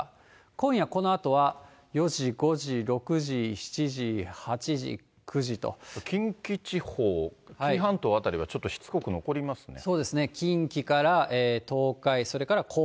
今夜このあとは、４時、５時、６時、７時、８時、近畿地方、紀伊半島辺りはちょっとしつこく残りますね。